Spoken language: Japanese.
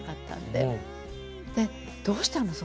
でどうしたの？